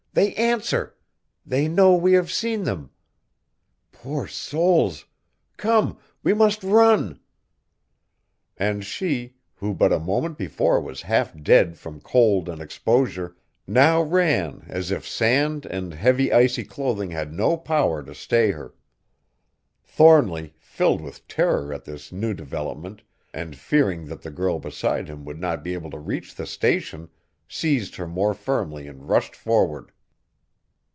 They answer! They know we have seen them. Poor souls! Come, we must run!" [Illustration: "They're on the outer bar! Two rockets! I've answered!"] And she, who but a moment before was half dead from cold and exposure, now ran as if sand and heavy, icy clothing had no power to stay her. Thornly, filled with terror at this new development and fearing that the girl beside him would not be able to reach the Station, seized her more firmly and rushed forward.